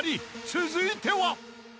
続いては］